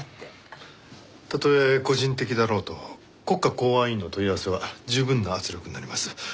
たとえ個人的だろうと国家公安委員の問い合わせは十分な圧力になります。